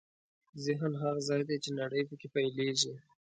ذهن هغه ځای دی چې نړۍ پکې پیلېږي.